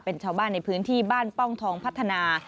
เป็นชาวบ้านในพื้นที่บ้านป้องทองพัฒนา